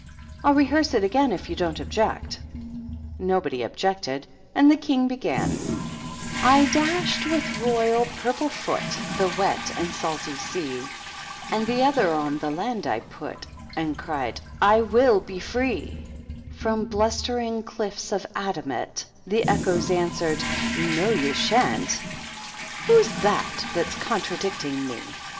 I'll rehearse it again if you don't object." Nobody objected, and the King began :"/ dashed with royal purple foot The wet and salty sea; And the other on the land I putj And cried J ^ I will be free P From blustering cliffs of adamant The echoes answered^ ^ No, you sharCt P ^Whd^s THAT, thafs contradicting me?'